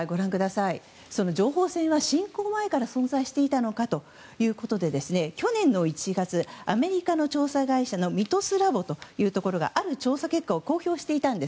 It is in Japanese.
情報戦は侵攻前から存在していたのかということで去年の１月、アメリカの調査会社ミトスラボというところがある調査結果を公表していたんです。